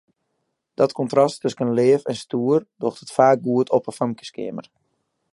Dat kontrast tusken leaf en stoer docht it faak goed op in famkeskeamer.